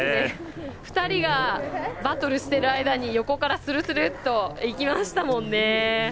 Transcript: ２人がバトルしてる間に横からスルスルッと行きましたもんね。